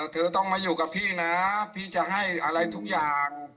เธอต้องมาอยู่กับพี่นะพี่จะให้อะไรทุกอย่าง